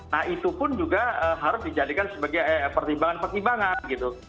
nah itu pun juga harus dijadikan sebagai pertimbangan pertimbangan gitu